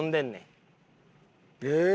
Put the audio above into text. え！